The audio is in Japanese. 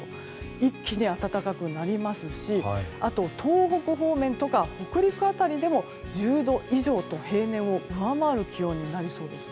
一気に暖かくなりますし東北方面とか北陸辺りでも１０度以上と平年を上回る気温になりそうですね。